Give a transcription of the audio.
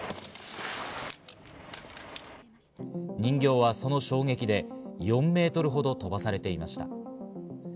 人形はその衝撃で４ｍほど飛ばされていました。